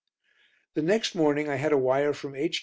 The next morning I had a wire from H.